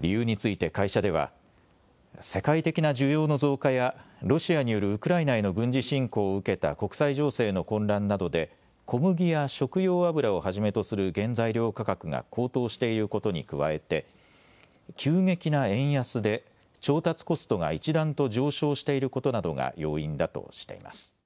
理由について会社では世界的な需要の増加やロシアによるウクライナへの軍事侵攻を受けた国際情勢の混乱などで小麦や食用油をはじめとする原材料価格が高騰していることに加えて急激な円安で調達コストが一段と上昇していることなどが要因だとしています。